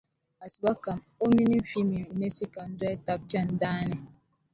Asiba kam o mini Femi ni Sika n-doli taba n-chani daa ni.